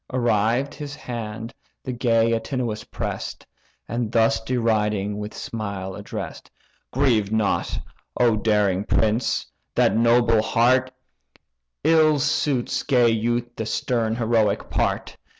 Arrived, his hand the gay Antinous press'd, And thus deriding, with a smile address'd: "Grieve not, O daring prince! that noble heart; Ill suits gay youth the stern heroic part.